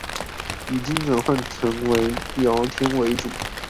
已經轉換成為聊天為主